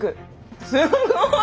すごい。